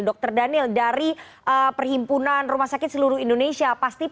dr daniel dari perhimpunan rumah sakit seluruh indonesia